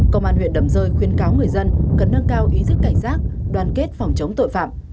công an huyện đầm rơi khuyên cáo người dân cần nâng cao ý thức cảnh giác đoàn kết phòng chống tội phạm